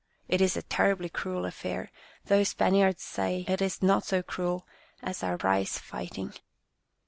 It is a terribly cruel affair, though Spaniards say it is not so cruel as our prize fighting.